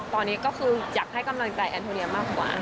ตอนนี้ก็คืออยากให้กำลังใจแอนโทเรียมากกว่า